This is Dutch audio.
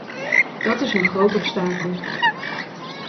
Dat is een groot obstakel.